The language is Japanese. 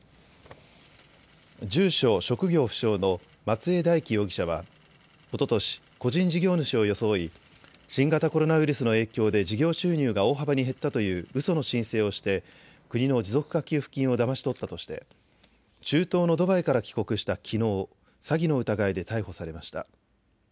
住所・職業不詳の松江大樹容疑者はおととし個人事業主を装い新型コロナウイルスの影響で事業収入が大幅に減ったといううその申請をして国の持続化給付金をだまし取ったとして、中東のドバイから帰国したきのう、詐欺の疑いで逮捕されました。